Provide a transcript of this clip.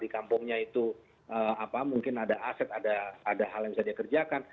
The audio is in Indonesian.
di kampungnya itu mungkin ada aset ada hal yang bisa dia kerjakan